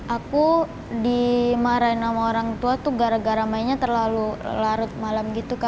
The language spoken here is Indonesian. aku dimarahin sama orang tua tuh gara gara mainnya terlalu larut malam gitu